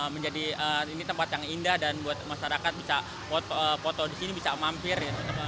menjadi tempat yang indah dan buat masyarakat bisa foto disini bisa mampir